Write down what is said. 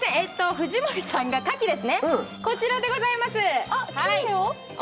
藤森さんが、かきですね、こちらでございます。